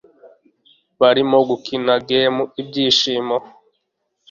barimo gukina game ibyishimo